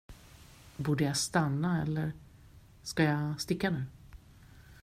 Borde jag stanna eller ska jag sticka nu?